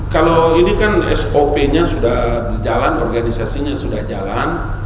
kalau ini kan sop nya sudah berjalan organisasinya sudah jalan